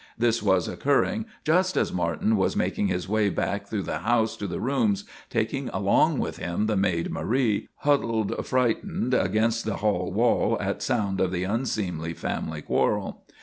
This was occurring just as Martin was making his way back through the house to the room, taking along with him the maid, Marie, huddled, frightened, against the hall wall at sound of the unseemly family quarrel.